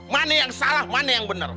mana yang salah mana yang benar